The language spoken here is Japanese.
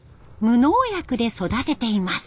無農薬で育てています。